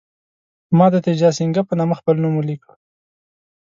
ما د تیجاسینګه په نامه خپل نوم ولیکه.